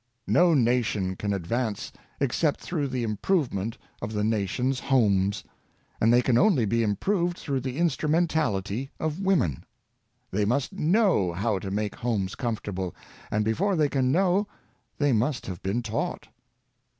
No nation can advance except through the improvement of the nation's homes; and they can only be improved through the instrumentaHty of women. They must knovj how to make homes comfortable; and before they can know, they must have been taught.